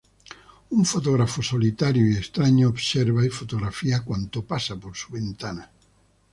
Un fotógrafo solitario y extraño observa y fotografía cuanto pasa por su ventana.